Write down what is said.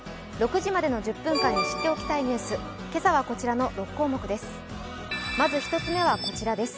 ６時までの１０分間に知っておきたいニュース、今朝はこちらの６項目です。